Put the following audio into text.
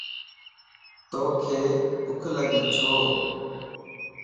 توک ڀک لڳي ڇو؟